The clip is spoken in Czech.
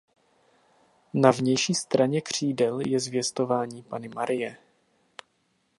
Na vnější straně křídel je Zvěstování Panny Marie.